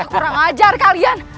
kurang ajar kalian